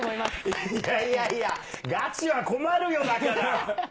いやいやいや、ガチは困るよ、だから。